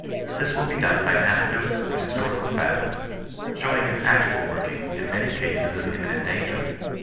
This will be done by anecdotes and historical facts, showing its actual workings in many cases of imminent danger.